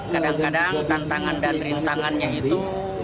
kadang kadang tantangan dan rintangannya itu